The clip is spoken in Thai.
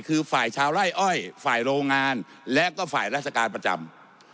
คือฝ่ายชาวไล่อ้อยฝ่ายโรงงานและก็ฝ่ายราชการประจำ